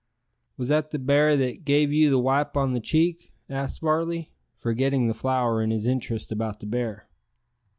"Was that the bar that gave you the wipe on the cheek?" asked Varley, forgetting the flower in his interest about the bear.